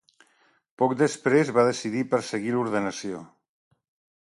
Poc després, va decidir perseguir l'ordenació.